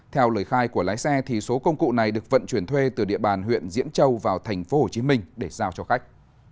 theo lời khai của lái xe số công cụ này được vận chuyển thuê từ địa bàn huyện diễn châu vào tp hcm để giao cho khách